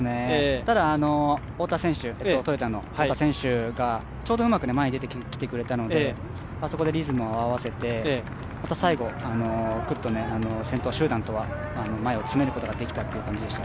ただ、トヨタの太田選手がちょうどうまく前に出てきてくれたのであそこでリズムを合わせて最後、先頭集団とは前を詰めることができたという感じでした。